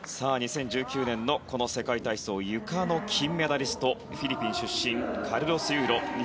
２０１９年のこの世界体操ゆかの金メダリストフィリピン出身カルロス・ユーロ